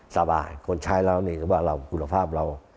สบายคนใช้เราคุณภาพเรา